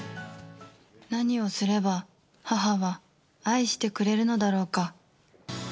何をすれば母は愛してくれるのだろうか。